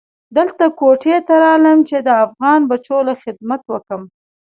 دلته کوټې ته رالم چې د افغان بچو له خدمت اوکم.